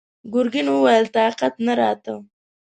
ګرګين وويل: طاقت نه راته!